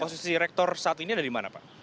posisi rektor saat ini ada di mana pak